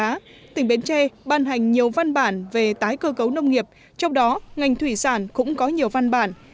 trong đó tỉnh bến tre ban hành nhiều văn bản về tái cơ cấu nông nghiệp trong đó ngành thủy sản cũng có nhiều văn bản